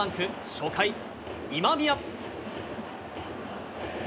初回、今宮。